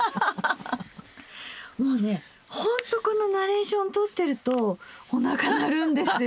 もうねほんっとこのナレーションとってるとおなか鳴るんですよ！